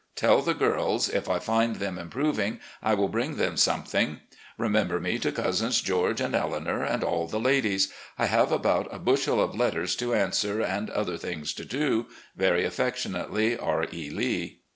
Tell the girls, if I find them improving, I will bring them something. * The maid. FAMILY AFFAIRS 241 Remember me to Cousins George and Eleanor and all the ladies. I have about a bushel of letters to answer and other things to do. "Very affectionately, "R. E. Lee."